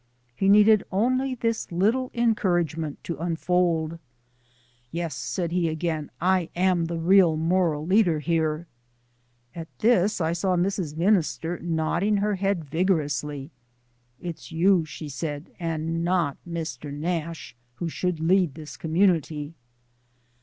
He needed only this little encouragement to unfold. "Yes," said he again, "I am the real moral leader here." At this I saw Mrs. Minister nodding her head vigorously. "It's you," she said, "and not Mr. Nash, who should lead this community."